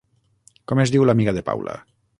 Com es diu l'amiga de Paula?